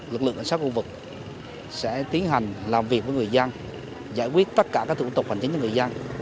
lực lượng cảnh sát khu vực sẽ tiến hành làm việc với người dân giải quyết tất cả các thủ tục hành chính cho người dân